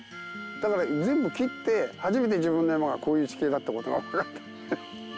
だから全部切って初めて自分の山がこういう地形だった事がわかった。